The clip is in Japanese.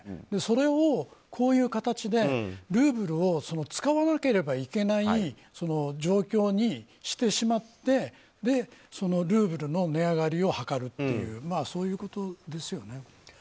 それをこういう形でルーブルを使わなければいけない状況にしてしまってルーブルの値上がりを図るっていうそういうことですよね。